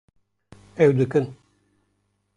Ew dikin